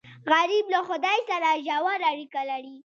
غریب له خدای سره ژور اړیکه لري